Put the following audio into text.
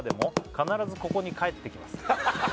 「必ずここに帰ってきます」